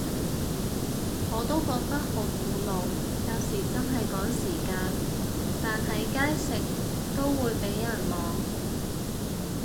我都覺得好苦惱，有時真係趕時間，但喺街食都會被人望